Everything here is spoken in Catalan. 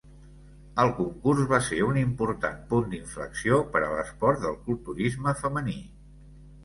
El concurs va ser un important punt d'inflexió per l'esport del culturisme femení.